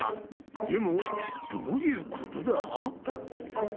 でもどういうことだ？